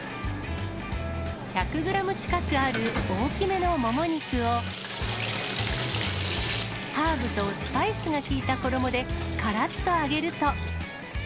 １００グラム近くある大きめのもも肉を、ハーブとスパイスが効いた衣でからっと揚げると。